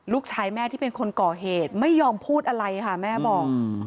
ลูกชายแม่ที่เป็นคนก่อเหตุไม่ยอมพูดอะไรค่ะแม่บอก